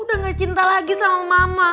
udah gak cinta lagi sama mama